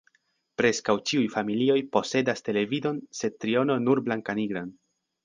Preskaŭ ĉiuj familioj posedas televidon sed triono nur blankanigran.